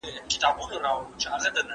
د ستم ګرو مینه اوکه، نو سندان به شې.